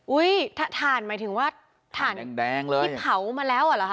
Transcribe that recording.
ถ่านหมายถึงว่าถ่านแดงเลยที่เผามาแล้วอ่ะเหรอคะ